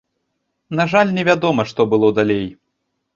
На жаль, невядома, што было далей.